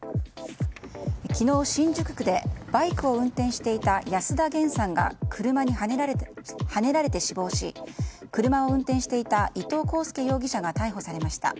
昨日、新宿区でバイクを運転していた安田元さんが車にはねられて死亡し車を運転していた伊東航介容疑者が逮捕されました。